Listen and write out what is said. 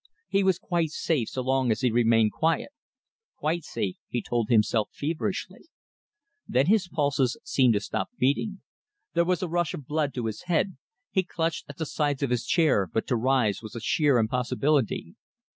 He was quite safe so long as he remained quiet. Quite safe, he told himself feverishly. Then his pulses seemed to stop beating. There was a rush of blood to his head. He clutched at the sides of his chair, but to rise was a sheer impossibility.